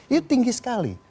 itu tinggi sekali